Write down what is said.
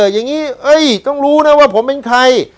อย่างนี้ต้องรู้นะว่าผมเป็นใคร